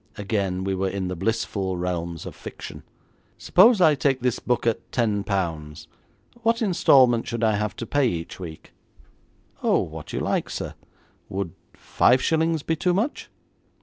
Again we were in the blissful realms of fiction! 'Suppose I take this book at ten pounds, what instalment should I have to pay each week?' 'Oh, what you like, sir. Would five shillings be too much?'